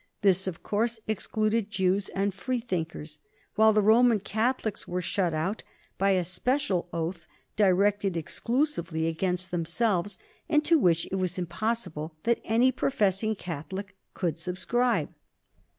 This, of course, excluded Jews and Freethinkers, while the Roman Catholics were shut out by a special oath, directed exclusively against themselves, and to which it was impossible that any professing Catholic could subscribe.